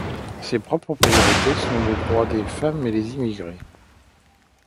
Ses propres priorités sont les droits des femmes et des immigrés.